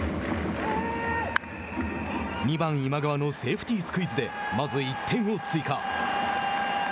２番今川のセーフティースクイズでまず１点を追加。